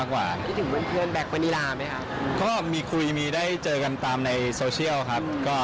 ก็มีคุยมีได้เส้นเจอกันตามในโซเชียลครับ